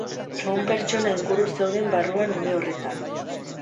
Ehun pertsona inguru zeuden barruan une horretan.